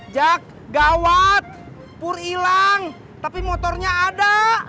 jak gawat pur hilang tapi motornya ada